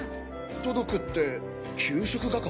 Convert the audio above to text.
届くって給食がか？